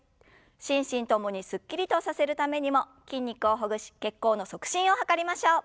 心身共にすっきりとさせるためにも筋肉をほぐし血行の促進を図りましょう。